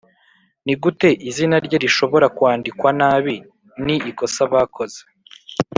Nigute izina rye risbora kwandikwa nabi ni ikosa bakoze